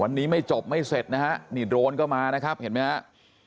วันนี้ไม่จบไม่เสร็จนะฮะนี่โดรนก็มานะครับเห็นไหมฮะ